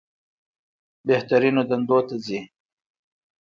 بهترینو دندو ته ځي.